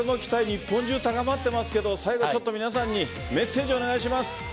日本中、高まっていますが最後、皆さんにメッセージをお願いします。